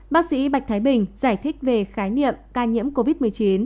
bác sĩ bạch thái bình giải thích về khái niệm ca nhiễm covid một mươi chín